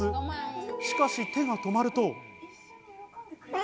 しかし手が止まると。